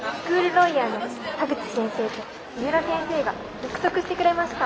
ロイヤーの田口先生と三浦先生が約束してくれました」。